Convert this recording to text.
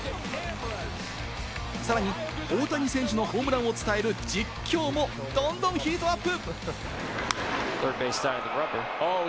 さらに、大谷選手のホームランを伝える実況もどんどんヒートアップ！